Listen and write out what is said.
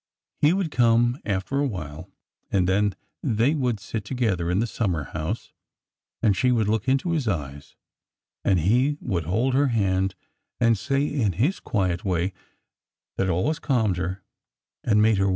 He would come after a while, and then they would sit together in the summer house, and she would look into his eyes, and he would hold her hand and say, in his quiet way that always calmed her and made her 16 242 ORDER NO.